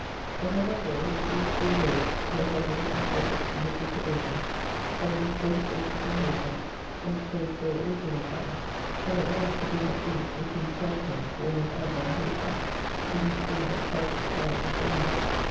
But, above all, was these three Lords, Northumberland, and Suffolk, and the Duke of Ormond, coming before the courses on horseback, and staying so all dinner time, and at last to bring up [Dymock] the King's Champion, all in armour on horseback, with his spear and targett carried before him.